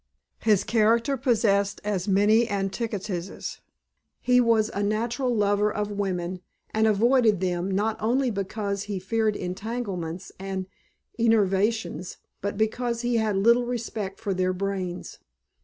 His character possessed as many antitheses. He was a natural lover of women and avoided them not only because he feared entanglements and enervations but because he had little respect for their brains.